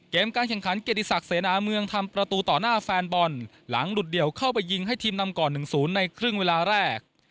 การแข่งขันเกติศักดิ์เสนาเมืองทำประตูต่อหน้าแฟนบอลหลังหลุดเดี่ยวเข้าไปยิงให้ทีมนำก่อน๑๐ในครึ่งเวลาแรก